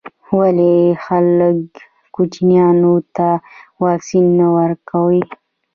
ولي خلګ کوچنیانو ته واکسین نه ورکوي.